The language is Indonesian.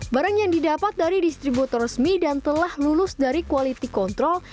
barang yang didapat dari distributor resmi dan telah lulus dari quality control